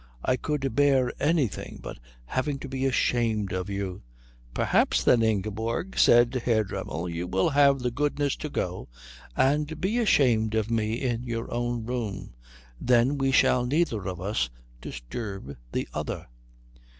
I could bear anything but having to be ashamed of you " "Perhaps, then, Ingeborg," said Herr Dremmel, "you will have the goodness to go and be ashamed of me in your own room. Then we shall neither of us disturb the other."